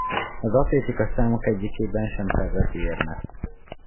Az atlétikai számok egyikében sem szerzett érmet.